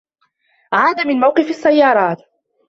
عاد من موقف السّيّارات.